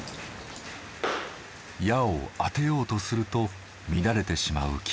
矢を当てようとすると乱れてしまう気持ち。